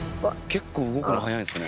結構動くのはやいんですね。